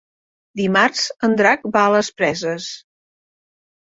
Dimarts en Drac va a les Preses.